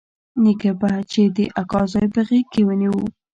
نيکه به چې د اکا زوى په غېږ کښې ونيو.